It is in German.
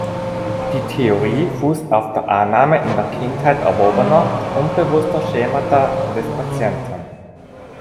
Die Theorie fußt auf der Annahme in der Kindheit erworbener, unbewusster Schemata des Patienten.